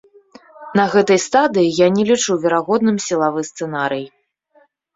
На гэтай стадыі я не лічу верагодным сілавы сцэнарый.